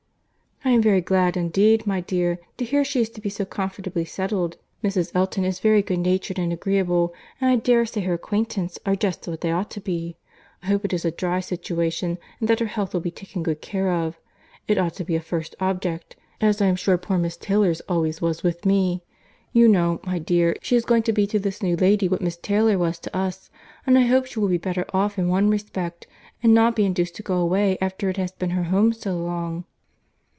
"I am very glad, indeed, my dear, to hear she is to be so comfortably settled. Mrs. Elton is very good natured and agreeable, and I dare say her acquaintance are just what they ought to be. I hope it is a dry situation, and that her health will be taken good care of. It ought to be a first object, as I am sure poor Miss Taylor's always was with me. You know, my dear, she is going to be to this new lady what Miss Taylor was to us. And I hope she will be better off in one respect, and not be induced to go away after it has been her home so long."